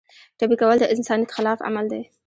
ټپي کول د انسانیت خلاف عمل دی.